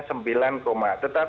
tetapi ini sudah ada asal